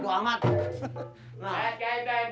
baik baik baik baik baik baik